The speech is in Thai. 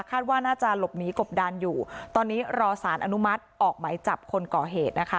คาดว่าน่าจะหลบหนีกบดานอยู่ตอนนี้รอสารอนุมัติออกไหมจับคนก่อเหตุนะคะ